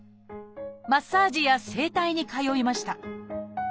マッサージや整体に通いました。